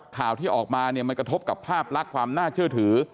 ข่าวที่ออกมาเนี่ยมันกระทบกับภาพลักษณ์ความน่าเชื่อถือ